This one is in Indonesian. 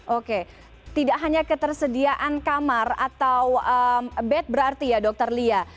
oke tidak hanya ketersediaan kamar atau bed berarti ya dokter lia